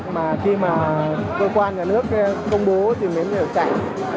mà khi mà cơ quan nhà nước công bố thì mới được chạy